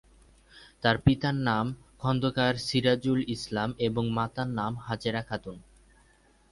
তার পিতার নাম খন্দকার সিরাজুল ইসলাম ও মাতার নাম হাজেরা খাতুন।